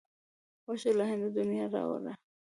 ورشه له هنده د نیا را وړه.